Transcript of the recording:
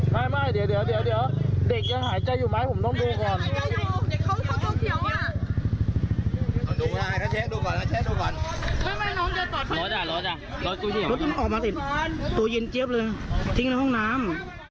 ตัวยินจ๊าบเลยทิ้งในห้องน้ำ